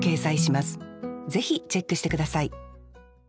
ぜひチェックして下さい。